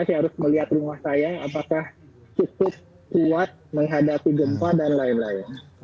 saya harus melihat rumah saya apakah cukup kuat menghadapi gempa dan lain lain